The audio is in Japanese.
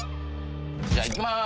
じゃあいきます。